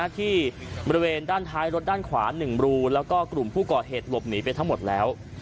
ที่บริเวณด้านท้ายรถด้านขวา๑รูแล้วก็กลุ่มผู้ก่อเหตุหลบหนีไปทั้งหมดแล้ว